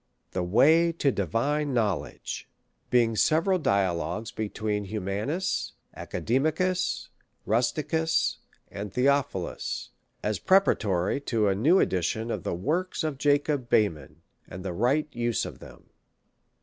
The Way to Divine Knowledge; being several Dialogues between Humanus, Academicus, Rusticus, and Theopholus, as preparatory to a new Edition of the Works of Jacob Behmen, and the Right Use of them.